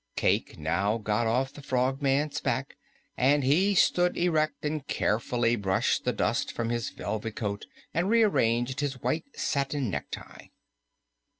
Cayke now got off the Frogman's back and he stood erect again and carefully brushed the dust from his velvet coat and rearranged his white satin necktie.